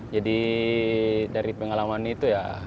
jadi dari pengalaman itu ya